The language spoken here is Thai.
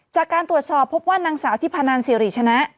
จากการตรวจสอบพบว่านางสาวทิพนันสิริชนะ